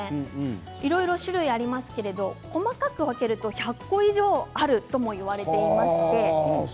いろいろ種類がありますが細かく分けると１００個以上あるともいわれています。